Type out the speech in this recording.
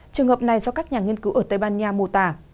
trường hợp này do các nhà nghiên cứu ở tây ban nha mô tả